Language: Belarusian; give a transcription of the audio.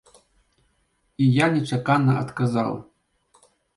І я нечакана адказаў.